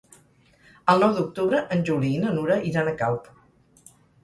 El nou d'octubre en Juli i na Nura iran a Calp.